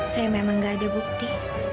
saya memang gak ada bukti